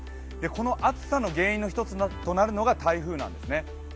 この暑さの原因の一つとなるのが台風なんですね。